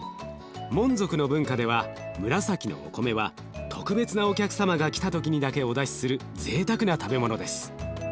モン族の文化では紫のお米は特別なお客様が来た時にだけお出しするぜいたくな食べ物です。